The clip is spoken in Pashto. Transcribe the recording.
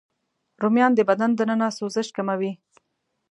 رومیان د بدن دننه سوزش کموي